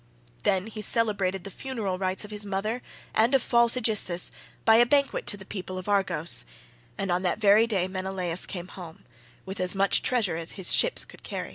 Then he celebrated the funeral rites of his mother and of false Aegisthus by a banquet to the people of Argos, and on that very day Menelaus came home,31 with as much treasure as his ships could carry.